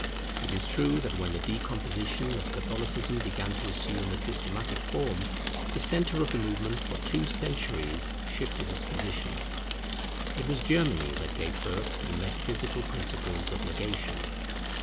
It is true that when the decomposition of Catholicism began to assume a systematic form, the centre of the movement for two centuries shifted its position. It was Germany that gave birth to the metaphysical principles of negation.